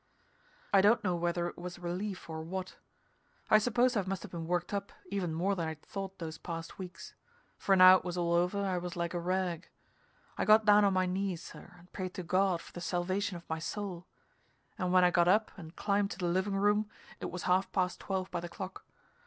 I don't know whether it was relief, or what. I suppose I must have been worked up even more than I'd thought those past weeks, for now it was all over I was like a rag. I got down on my knees, sir, and prayed to God for the salvation of my soul, and when I got up and climbed to the living room it was half past twelve by the clock.